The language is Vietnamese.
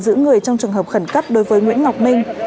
giữ người trong trường hợp khẩn cấp đối với nguyễn ngọc minh